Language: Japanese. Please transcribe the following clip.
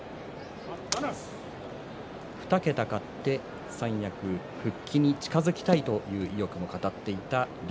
２桁勝って三役復帰に近づきたいという意欲を語っていた竜